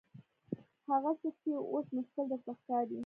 هغه څه چې اوس مشکل درته ښکاري.